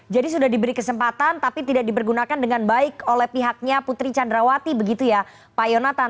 jadi sudah diberi kesempatan tapi tidak dipergunakan dengan baik oleh pihaknya putri candrawati begitu ya pak yonatan